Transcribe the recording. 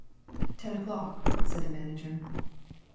"Ten o'clock," said the manager.